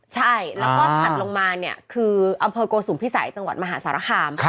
ใช่แล้วก็ถัดลงมาเนี่ยคืออำเภอโกสุมพิสัยจังหวัดมหาสารคาม